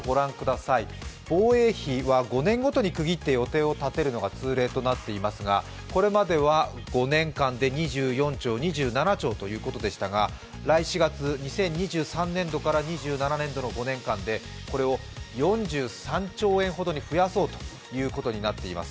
防衛費は５年ごとに区切って予定を立てるのが通例となっていますがこれまでは５年間で２４兆、２７兆ということでしたが来四月、２０２３年度から２７年度の５年間でこれを４３兆円ほどに増やそうということになっています。